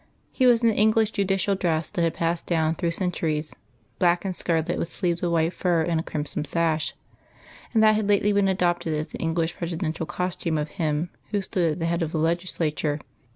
He was in the English judicial dress that had passed down through centuries black and scarlet with sleeves of white fur and a crimson sash and that had lately been adopted as the English presidential costume of him who stood at the head of the legislature.